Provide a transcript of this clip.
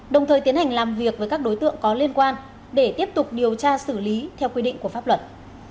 đồng thời tiến hành làm việc với các đối tượng có liên quan để tiếp tục điều tra xử lý theo quy định của pháp luật